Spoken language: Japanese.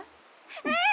うん！